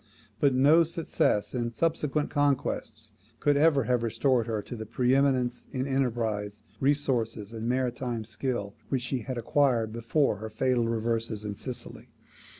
But no success in subsequent conquests could ever have restored her to the pre eminence in enterprise, resources, and maritime skill which she had acquired before her fatal reverses in Sicily.